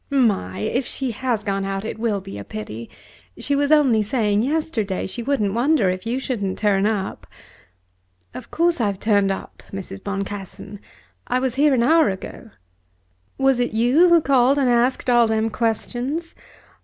"My! If she has gone out it will be a pity. She was only saying yesterday she wouldn't wonder if you shouldn't turn up." "Of course I've turned up, Mrs. Boncassen. I was here an hour ago." "Was it you who called and asked all them questions?